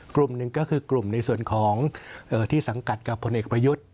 กลุ่มหนึ่งก็คือกลุ่มในส่วนของที่สังกัดกับผลเอกประยุทธ์